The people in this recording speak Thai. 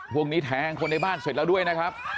พวกนี้แทงคนในบ้านเสร็จแล้วด้วยนะครับ